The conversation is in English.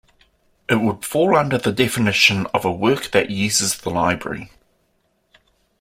It would fall under the definition of a "work that uses the Library".